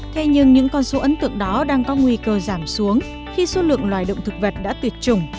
thế nhưng những con số ấn tượng đó đang có nguy cơ giảm xuống khi số lượng loài động thực vật đã tuyệt chủng